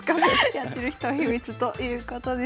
やってる人は秘密ということです。